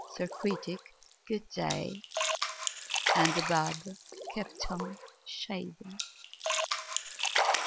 Sir Critic, good day!" And the barber kept on shaving.